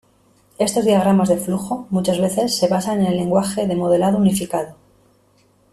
Estos diagramas de flujo muchas veces se basan en el lenguaje de modelado unificado.